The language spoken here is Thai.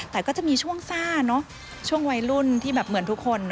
แต่ก็จะมีช่วงซ่าเนอะช่วงวัยรุ่นที่แบบเหมือนทุกคน